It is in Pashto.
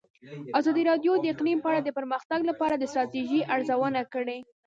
ازادي راډیو د اقلیم په اړه د پرمختګ لپاره د ستراتیژۍ ارزونه کړې.